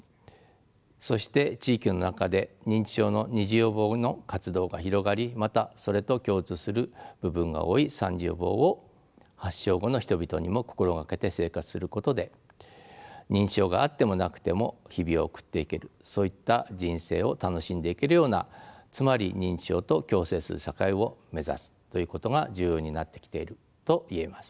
そして地域の中で認知症の２次予防の活動が広がりまたそれと共通する部分が多い３次予防を発症後の人々にも心がけて生活することで認知症があってもなくても日々を送っていけるそういった人生を楽しんでいけるようなつまり認知症と共生する社会を目指すということが重要になってきていると言えます。